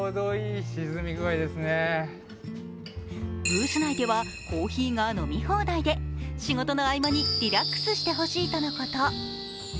ブース内ではコーヒーが飲み放題で仕事の合間にリラックスしてほしいとのこと。